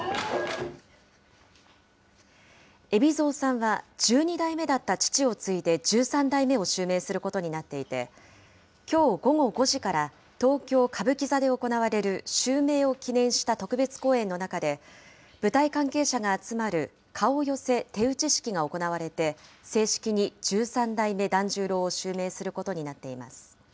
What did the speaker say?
海老蔵さんは十二代目だった父を継いで、十三代目を襲名することになっていて、きょう午後５時から、東京・歌舞伎座で行われる襲名を記念した特別公演の中で、舞台関係者が集まる顔寄せ手打式が行われて、正式に十三代目團十郎を襲名することになっています。